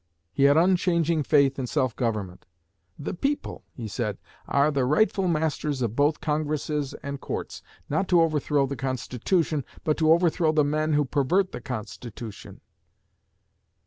He had unchanging faith in self government. 'The people,' he said, 'are the rightful masters of both congresses and courts, not to overthrow the Constitution, but to overthrow the men who pervert the Constitution.'